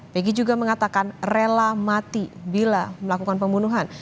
pegi juga mengatakan rela mati bila melakukan pembunuhan